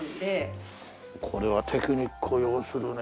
これはテクニックを要するね。